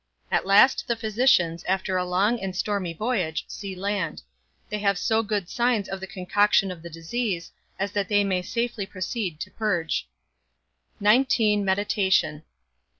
_At last the physicians, after a long and stormy voyage, see land: they have so good signs of the concoction of the disease, as that they may safely proceed to purge._ XIX. MEDITATION.